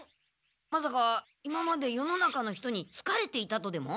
まさか今まで世の中の人にすかれていたとでも？